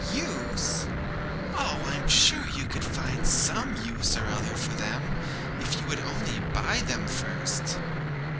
'Use! Oh, I'm sure you could find some use or other for them if you would only buy them first.'